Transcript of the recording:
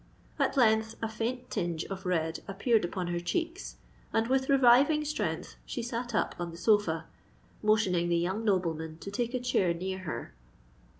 At length a faint tinge of red appeared upon her cheeks; and, with reviving strength, she sate up on the sofa, motioning the young nobleman to take a chair near her.